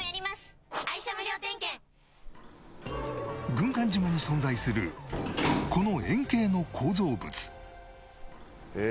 軍艦島に存在するこの円形の構造物